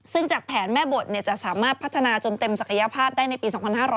ซึ่งจากแผนแม่บทจะสามารถพัฒนาจนเต็มศักยภาพได้ในปี๒๕๕๙